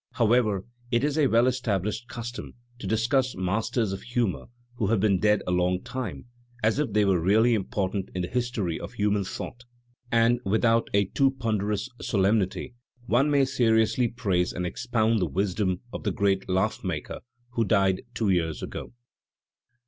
However, it is a well established custom to discuss masters of humour, who have been dead a long time, as if they were really important in the history of human thought; and, with out a too ponderous solemnity, one may seriously praise and expound the wisdom of the great laugh maker who died two years ago.